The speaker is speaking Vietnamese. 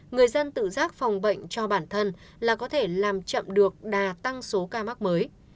người dân tự giác phòng bệnh cho bản thân là có thể làm chậm được đà tăng số ca mắc mới